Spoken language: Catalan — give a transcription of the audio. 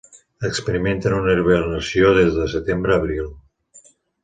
Experimenten una hibernació des de setembre a abril.